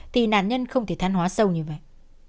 thì nạn nhân không thể than hóa sâu như vậy